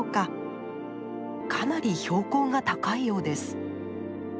かなり標高が高いようです。